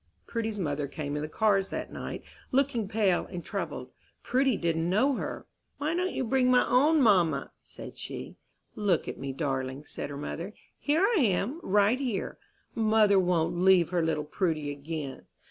Prudy's mother came in the cars that night, looking pale and troubled. Prudy did not know her. "Why don't you bring my own mamma?" said she. "Look at me, darling," said her mother, "here I am, right here. Mother won't leave her little Prudy again."